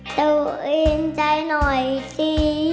เต๋วเอ็นใจหน่อยสิ